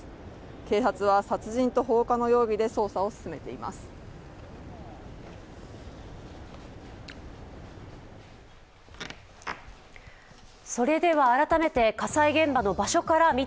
警察は殺人と放火の容疑で捜査を進めています。